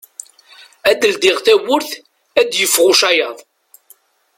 Ad ldiɣ tawwurt ad yeffeɣ ucayaḍ.